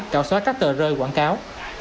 cạo xóa các tờ rơi quảng cáo